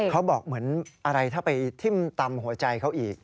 เขาบอกเหมือนอะไรถ้าไปทิ้มตำหัวใจเขาอีก